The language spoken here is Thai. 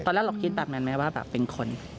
เราคิดแบบนั้นไหมว่าแบบเป็นคน